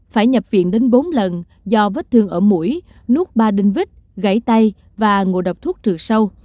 phải nhập viện đến bốn lần do vết thương ở mũi núp ba đinh vít gãy tay và ngộ độc thuốc trừ sâu